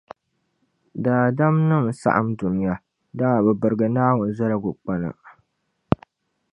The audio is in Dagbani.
Daadamnim’ saɣim dunia, dama bɛ birigi Naawuni zaligukpana.